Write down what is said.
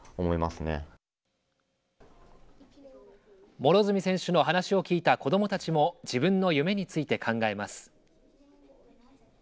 両角選手の話を聞いた子どもたちも自分の夢について考えます。